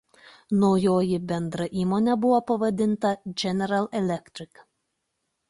Naujoji bendra įmonė buvo pavadinta General Electric.